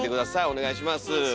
お願いします